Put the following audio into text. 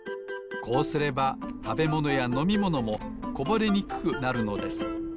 こうすればたべものやのみものもこぼれにくくなるのです。